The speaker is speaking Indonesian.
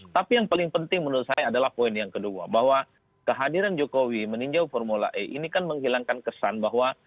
tapi yang paling penting menurut saya adalah poin yang kedua bahwa kehadiran jokowi meninjau formula e ini kan menghilangkan kesan bahwa